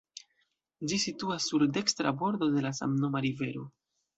Ĝi situas sur dekstra bordo de la samnoma rivero.